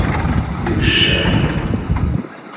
Ibeccan.